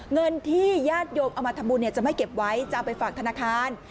เงินที่ญาติโยมเอามาทำบุญจะไม่เก็บไว้จะเอาไปฝากธนาคาร